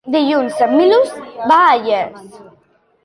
Dilluns en Milos va a Llers.